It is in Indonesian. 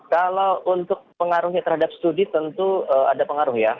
kalau untuk pengaruhnya terhadap studi tentu ada pengaruh ya